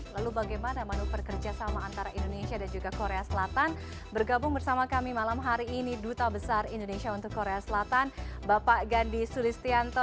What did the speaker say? lalu bagaimana manuver kerjasama antara indonesia dan juga korea selatan bergabung bersama kami malam hari ini duta besar indonesia untuk korea selatan bapak gandhi sulistianto